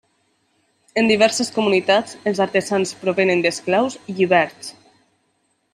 En diverses comunitats, els artesans provenen d'esclaus lliberts.